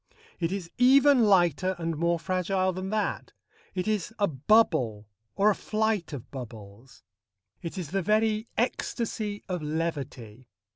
It is even lighter and more fragile than that. It is a bubble, or a flight of bubbles. It is the very ecstasy of levity.